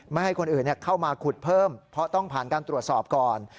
ไม่ให้คนอื่นเข้ามาขุดเพิ่มเพราะต้องผ่านการตรวจสอบก่อน